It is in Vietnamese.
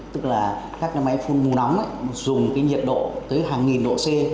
tức là các máy phun mù nóng dùng nhiệt độ tới hàng nghìn độ c